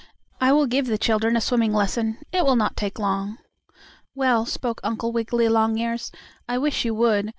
I will give the children a swimming lesson. It will not take long." "Well," spoke Uncle Wiggily Longears, "I wish you would.